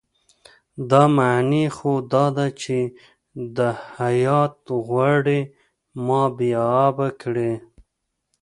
دا معنی خو دا ده چې دا هیات غواړي ما بې آبه کړي.